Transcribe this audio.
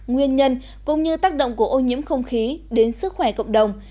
nguyên nhân cũng như tác động của ô nhiễm không khí đến sức khỏe cộng đồng